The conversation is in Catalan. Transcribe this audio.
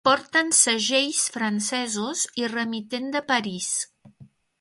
Porten segells francesos i remitent de París.